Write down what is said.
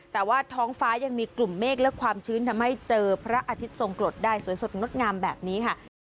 แต่ว่าท้องฟ้ายังมีกลุ่มเมฆและความชื้นทำให้เจอพระอาทิตย์ทรงกรดได้สวยสดงดงามแบบนี้ค่ะ